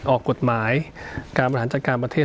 ออกกฎหมายการบริหารจัดการประเทศ